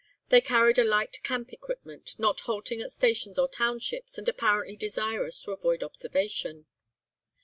They carried a light camp equipment, not halting at stations or townships and apparently desirous to avoid observation.